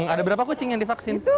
ada berapa kucing yang divaksin